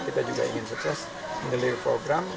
kita juga ingin sukses mengelir program